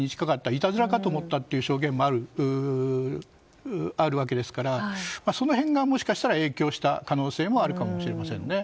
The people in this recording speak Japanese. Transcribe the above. いたずらかと思ったという証言もあるわけですからその辺がもしかしたら影響した可能性があるかもしれませんね。